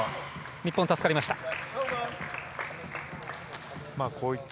日本、助かりました。